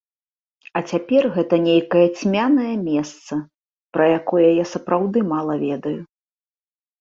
А цяпер гэта нейкае цьмянае месца, пра якое я сапраўды мала ведаю.